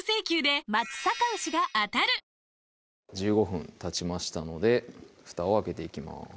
１５分たちましたのでふたを開けていきます